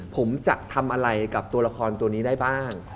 ผมจะทำอะไรกับตัวละครตัวนี้ได้บ้าง